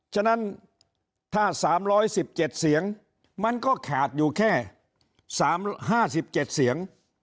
ฉะนั้นถ้า๓๑๗เสียงมันก็ขาดอยู่แค่๕๗เสียง